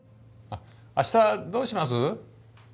あしたどうします？